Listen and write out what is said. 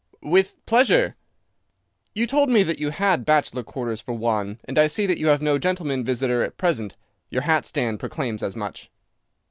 "With pleasure." "You told me that you had bachelor quarters for one, and I see that you have no gentleman visitor at present. Your hat stand proclaims as much."